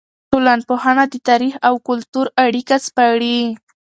ټولنپوهنه د تاریخ او کلتور اړیکه سپړي.